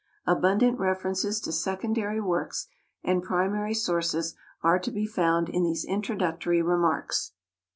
Abundant references to secondary works and primary sources are to be found in these introductory remarks.